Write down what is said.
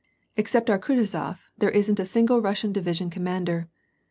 Ex cept our Kutuzof, there isn't a single Russian division com mander.